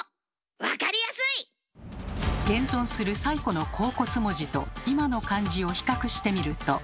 おっ！現存する最古の甲骨文字と今の漢字を比較してみると。